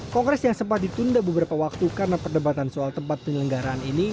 kongres yang sempat ditunda beberapa waktu karena perdebatan soal tempat penyelenggaraan ini